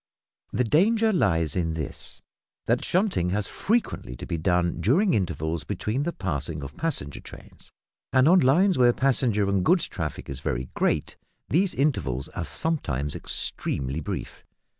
The danger lies in this, that shunting has frequently to be done during intervals between the passing of passenger trains, and, on lines where passenger and goods traffic is very great, these intervals are sometimes extremely brief.